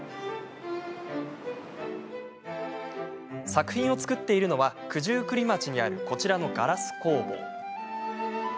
作品を作っているのは九十九里町にあるこちらのガラス工房。